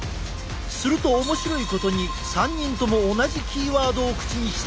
すると面白いことに３人とも同じキーワードを口にした。